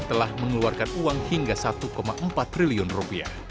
telah mengeluarkan uang hingga satu empat triliun rupiah